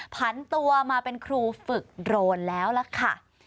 ผันตัวมาเป็นครูฝึกโดรนแล้วล่ะค่ะ